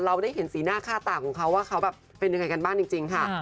เราได้เห็นสีหน้าค่าตาของเขาว่าเขาแบบเป็นยังไงกันบ้างจริงค่ะ